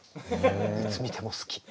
いつ見ても好き。